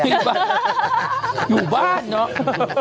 อยู่บ้านอยู่บ้านเนอะ